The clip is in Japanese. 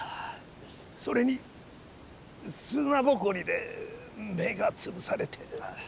それに砂ぼこりで目が潰されて。